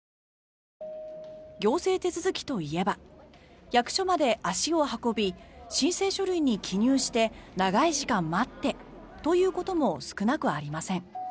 行政手続きといえば役所まで足を運び申請書類に記入して長い時間待ってということも少なくありません。